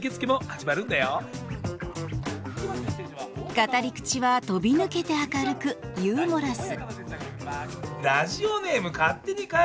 語り口は飛び抜けて明るくユーモラス。